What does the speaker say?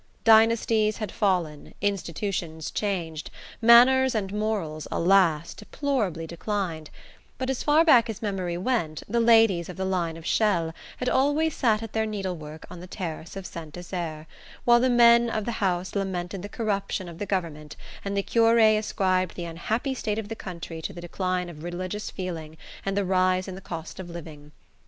Dynasties had fallen, institutions changed, manners and morals, alas, deplorably declined; but as far back as memory went, the ladies of the line of Chelles had always sat at their needle work on the terrace of Saint Desert, while the men of the house lamented the corruption of the government and the cure ascribed the unhappy state of the country to the decline of religious feeling and the rise in the cost of living.